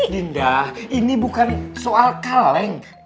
dinda ini bukan soal kaleng